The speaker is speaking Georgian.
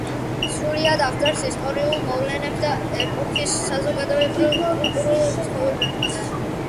სრულად აღწერს ისტორიულ მოვლენებს და ეპოქის საზოგადოებრივ-კულტურულ ცხოვრებას.